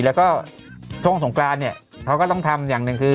แล้วก็ช่วงสงกรานเนี่ยเขาก็ต้องทำอย่างหนึ่งคือ